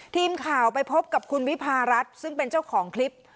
ทีมข่าวไปพบกับคุณวิพารัฐซึ่งเป็นเจ้าของคลิป